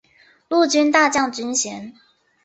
陆军大将军衔。